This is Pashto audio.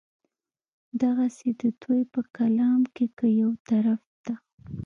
دغسې د دوي پۀ کلام کښې کۀ يو طرف ته